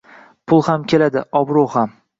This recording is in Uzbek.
Pul ham ketadi, obroʻ ham..